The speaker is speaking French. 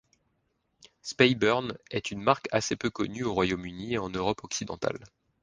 Speyburn est une marque assez peu connue au Royaume-Uni et en Europe occidentale.